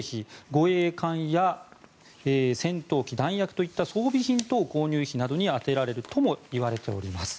護衛艦や戦闘機弾薬といった装備品等購入費などに充てられるともいわれております。